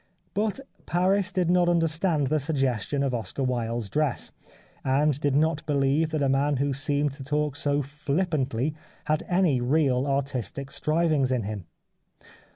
But Paris did not understand the suggestion of Oscar Wilde's dress, and did not believe that a man who seemed to talk so flippantly had any real artistic strivings in him.